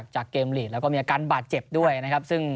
จากเกมฟ์ฬีเรียนและมีอาการบาดเจ็บด้วยนะครับ